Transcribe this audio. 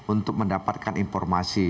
untuk mendapatkan informasi